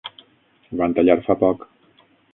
Van tallar fa poc.